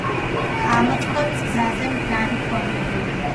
ამოწყდომის გზაზე მდგარი ფორმებია.